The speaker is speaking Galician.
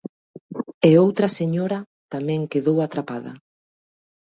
E outra señora tamén quedou atrapada.